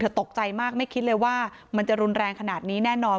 ตกใจมากไม่คิดเลยว่ามันจะรุนแรงขนาดนี้แน่นอน